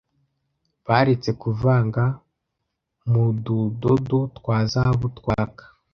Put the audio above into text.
baretse kuvanga nududodo twa zahabu twaka